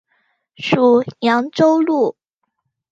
属扬州路。